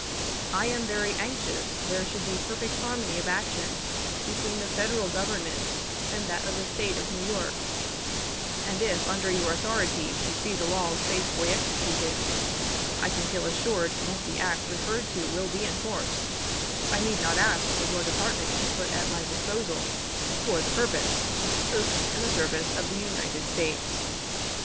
I am very anxious there should be perfect harmony of action between the Federal Government and that of the State of New York; and if, under your authority to see the laws faithfully executed, I can feel assured that the act referred to will be enforced, I need not ask the War Department to put at my disposal, for the purpose, troops in the service of the United States."